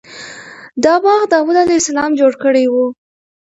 دا باغ داود علیه السلام جوړ کړی و.